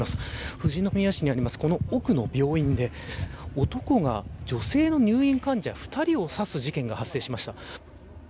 富士宮市のこの奥にある病院で男が女性の入院患者２人を刺す事件が発生しました。